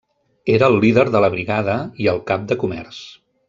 Era el líder de la brigada i el cap de comerç.